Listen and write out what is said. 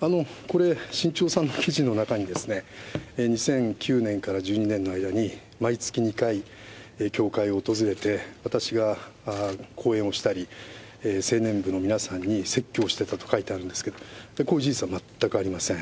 これ、新潮さんの記事の中に、２００９年から１２年の間に、毎月２回、協会を訪れて、私が講演をしたり、せいねん部の皆さんに説教をしていたと書いてある、こういう事実は全くありません。